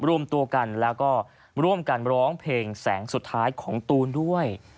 รวมตัวกันแล้วก็ร่วมกันร้องเพลงแสงสุดท้ายของตูนด้วย